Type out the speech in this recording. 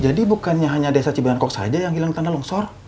jadi bukannya hanya desa cibarangkok saja yang hilang tanda longsor